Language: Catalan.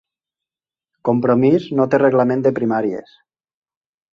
Compromís no té reglament de primàries